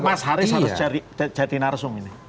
mas haris harus jadi narsum ini